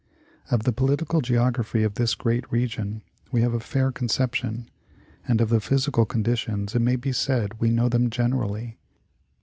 Of the Political Geography of this great region we have a fair conception, and of the Physical con ditions it may be said we know them generally.